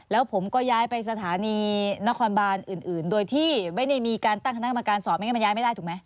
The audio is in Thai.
แล้วผมก็ย้ายไปสถานีนครบานอื่นโดยที่ไม่ได้มีการตั้งคณะกรรมการสอบไม่งั้นมันย้ายไม่ได้ถูกไหม